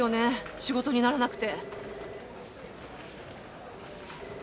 仕事にならなくて。